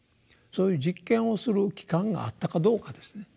そういう「実験」をする期間があったかどうかですね。